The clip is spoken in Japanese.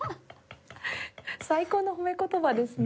最高の褒め言葉ですね。